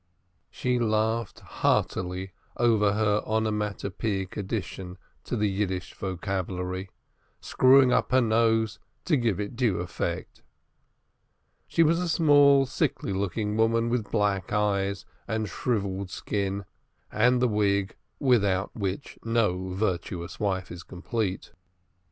She laughed heartily over her onomatopoetic addition to the Yiddish vocabulary, screwing up her nose to give it due effect. She was a small sickly looking woman, with black eyes, and shrivelled skin, and the wig without which no virtuous wife is complete.